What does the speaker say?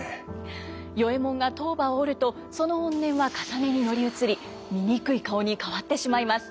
与右衛門が塔婆を折るとその怨念はかさねに乗り移り醜い顔に変わってしまいます。